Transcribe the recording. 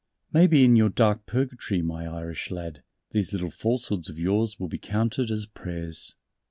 "Maybe in your dark purgatory, my Irish lad, these little falsehoods of yours will be counted as prayers."